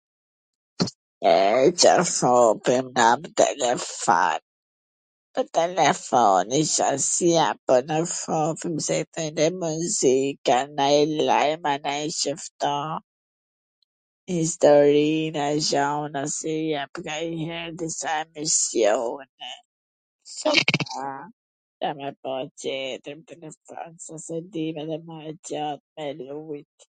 E Car thokem na n telefon? ... muzik, a nonj lajm a qikto, istorina, gjana, si i jep nganjher ose emisjone...